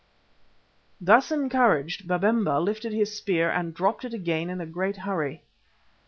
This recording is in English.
Thus encouraged, Babemba lifted his spear and dropped it again in a great hurry.